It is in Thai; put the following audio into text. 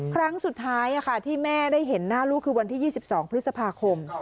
ครั้งสุดท้ายที่แม่ได้เห็นหน้าลูกคือวันที่๒๒พฤษภาคม